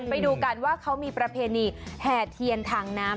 ไปดูกันว่าเขามีประเพณีแห่เทียนทางน้ำ